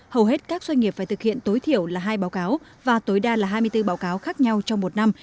hầu hết các doanh nghiệp phải thực hiện tối thiểu là hai báo cáo và tối đa là hai mươi bốn báo cáo khác nhau trong một năm